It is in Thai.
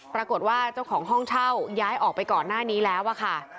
เจ้าของห้องเช่าย้ายออกไปก่อนหน้านี้แล้วอะค่ะ